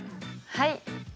はい。